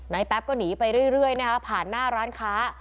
แป๊บก็หนีไปเรื่อยนะคะผ่านหน้าร้านค้า